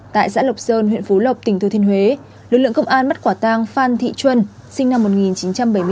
tại xã lộc sơn huyện phú lộc tỉnh thừa thiên huế lực lượng công an bắt quả tang phan thị xuân sinh năm một nghìn chín trăm bảy mươi